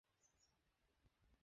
বড়ো খুশি হইলাম।